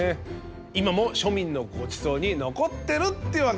今も庶民のごちそうに残ってるってわけ。